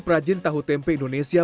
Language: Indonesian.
perajin tahu tempe indonesia